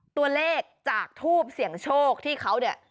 ตัวเลขจากทูบเสี่ยงโชคที่เขาเนี่ย